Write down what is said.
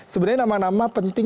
sebenarnya nama nama penting